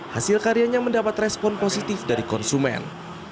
hasil karyanya mendapat respon positif dari konsumen